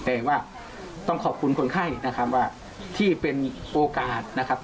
แต่ว่าต้องขอบคุณคนไข้นะครับว่าที่เป็นโอกาสนะครับ